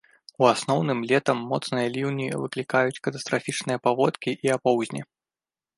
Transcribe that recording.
У асноўным летам моцныя ліўні выклікаюць катастрафічныя паводкі і апоўзні.